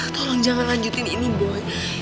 tolong jangan lanjutin ini boy